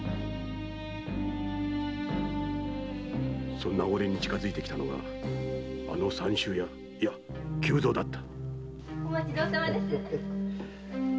そんな俺に近づいてきたのがあの三州屋いや久蔵だった。